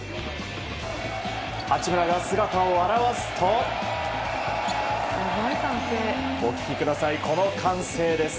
八村が姿を現すとお聞きください、この歓声です。